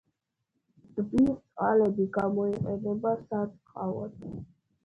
ტბის წყლები გამოიყენება სარწყავად.